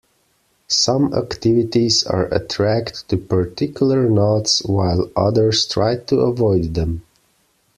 Some activities are attracted to particular nodes while others try to avoid them.